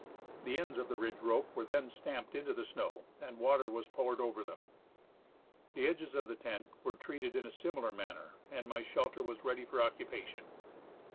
The ends of the ridge rope were then stamped into the snow, and water was poured over them ; the edges of the tent were treated in a similar man ner, and my shelter was ready for occupation.